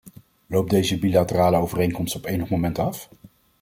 Loopt deze bilaterale overeenkomst op enig moment af?